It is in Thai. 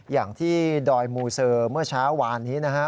อย่างที่ดอยมูเซอร์เมื่อเช้าวานนี้นะฮะ